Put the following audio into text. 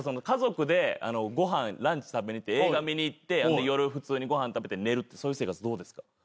家族でランチ食べに行って映画見に行って夜普通にご飯食べて寝るってそういう生活どうですか？